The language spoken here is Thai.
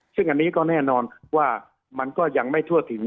ซึ่งอันนี้ก็แน่นอนว่ามันก็ยังไม่ทั่วถึง